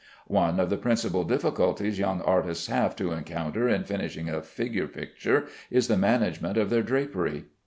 One of the principal difficulties young artists have to encounter in finishing a figure picture is the management of their drapery.